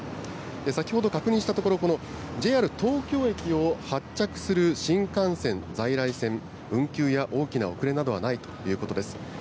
先ほど確認したところ、このＪＲ東京駅を発着する新幹線、在来線、運休や大きな遅れなどはないということです。